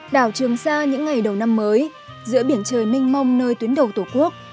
đảo trường sa những ngày đầu năm mới giữa biển trời mênh mông nơi tuyến đầu tổ quốc